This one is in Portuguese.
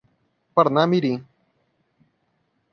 Parnamirim